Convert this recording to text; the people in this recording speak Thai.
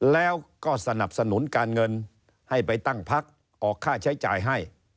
แล้วก็สนับสนุนการเงินให้ไปตั้งพักออกค่าใช้จ่ายให้